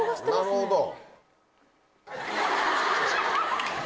なるほど。